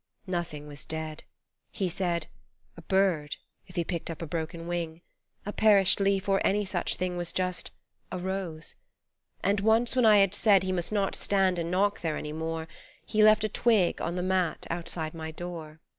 Nothing was dead : He said " a bird " if he picked up a broken wing, A perished leaf or any such thing Was just " a rose "; and once when I had said He must not stand and knock there any more, He left a twig on the mat outside my door.